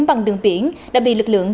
bằng đường biển đã bị lực lượng